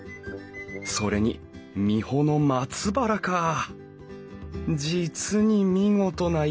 それに三保の松原かあ。